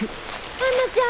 杏奈ちゃん。